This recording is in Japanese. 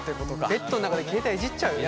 ベッドの中で携帯いじっちゃうよね。